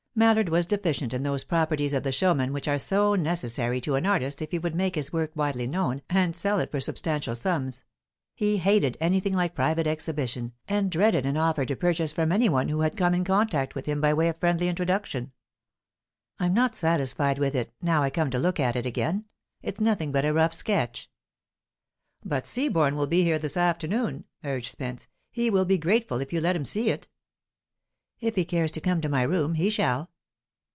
Mallard was deficient in those properties of the showman which are so necessary to an artist if he would make his work widely known and sell it for substantial sums; he hated anything like private exhibition, and dreaded an offer to purchase from any one who had come in contact with him by way of friendly introduction. "I'm not satisfied with it, now I come to look at it again. It's nothing but a rough sketch." "But Seaborne will be here this afternoon," urged Spence. "He will be grateful if you let him see it." "If he cares to come to my room, he shall."